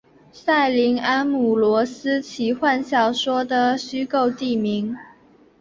塞林安姆罗斯奇幻小说的虚构地名。